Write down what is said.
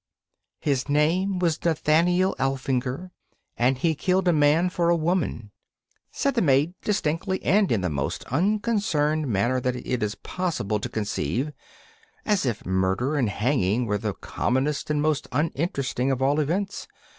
'His name was Nathaniel Alfinger, and he killed a man for a woman,' said the maiden, distinctly and in the most unconcerned manner that it is possible to conceive, as if murder and hanging were the commonest and most uninteresting of all events.